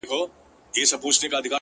بيا مي د زړه د خنداگانو انگازې خپرې سوې;